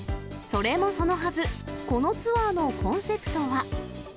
それもそのはず、このツアーのコンセプトは。